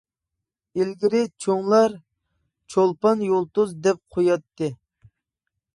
ئىلگىرى چوڭلار چولپان يۇلتۇز دەپ قوياتتى.